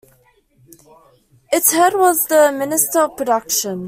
Its head was the Minister of Production.